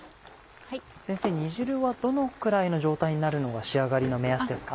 先生煮汁はどのくらいの状態になるのが仕上がりの目安ですか？